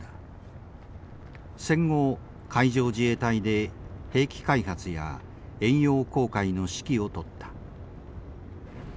戦後海上自衛隊で兵器開発や遠洋航海の指揮を執った。